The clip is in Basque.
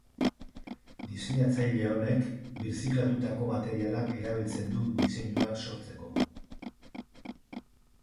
Diseinatzaile honek birziklatutako materiala erabiltzen du bere diseinuak sortzeko.